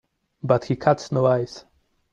But he cuts no ice.